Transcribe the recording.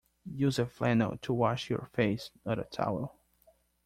Use a flannel to wash your face, not a towel